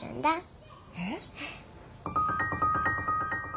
えっ？